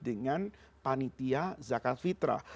dengan panitia zakat fitrah